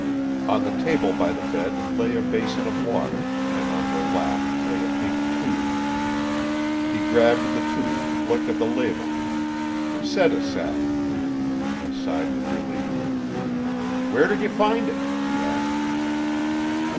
On the table by the bed lay a basin of water, and on her lap lay a pink tube. He grabbed the tube, looked at the label. Sedasalve. He sighed with relief. "Where did you find it?" he asked.